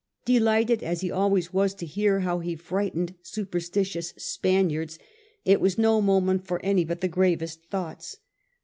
Delighted as he always was to hear how he frightened superstitious Spaniards, it was no moment for any but the gravest thoughts.